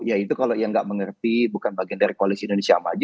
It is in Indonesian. ya itu kalau yang nggak mengerti bukan bagian dari koalisi indonesia maju